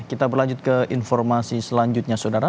kita berlanjut ke informasi selanjutnya saudara